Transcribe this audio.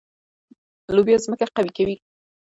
لوبیا ځمکه قوي کوي.